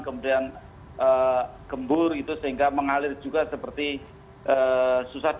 kemudian gembur itu sehingga mengalir juga seperti susah